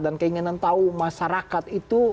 dan keinginan tahu masyarakat itu